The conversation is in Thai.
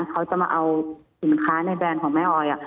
เขาจะมาเอาสินค้าในแบรนด์ของแม่ออย